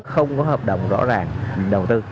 không có hợp đồng rõ ràng đầu tư